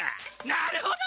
なるほど！